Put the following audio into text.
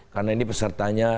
karena ini pesertanya